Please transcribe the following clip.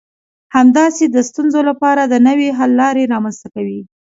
همداسې د ستونزو لپاره د نوي حل لارې رامنځته کوي.